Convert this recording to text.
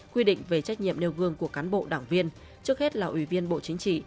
quy định về trách nhiệm nêu gương của cán bộ đảng viên trước hết là ủy viên bộ chính trị